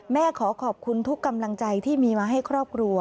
ขอขอบคุณทุกกำลังใจที่มีมาให้ครอบครัว